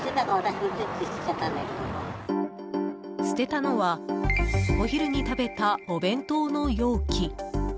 捨てたのはお昼に食べたお弁当の容器。